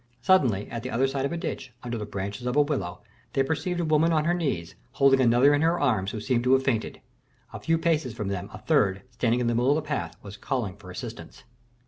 Suddenly at the other side of a ditch, under the branches of a willow, they perceived a woman on her knees, holding another in her arms who seemed to have fainted. A few paces from them, a third, standing in the middle of the path, was calling for assistance.